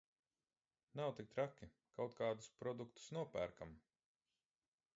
Nav tik traki, kaut kādus produktus nopērkam...